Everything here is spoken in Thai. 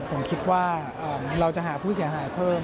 ผมคิดว่าเราจะหาผู้เสียหายเพิ่ม